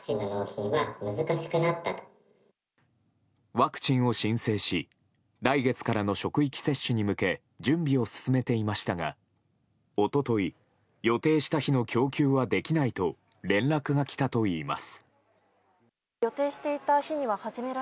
ワクチンを申請し来月からの職域接種に向け準備を進めていましたが一昨日、予定した日の供給はできないと連絡が来たといいます。